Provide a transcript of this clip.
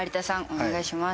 お願いします。